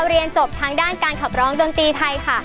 เรียนจบทางด้านการขับร้องดนตรีไทยค่ะ